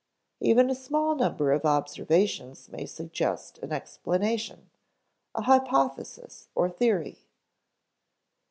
Even a small number of observations may suggest an explanation a hypothesis or theory.